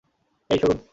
এই, সরুন!